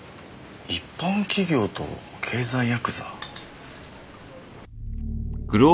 一般企業と経済やくざ？